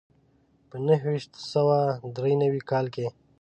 په نهه ویشت سوه دري نوي کال کې.